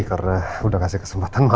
karena udah kasih kesempatan banget ya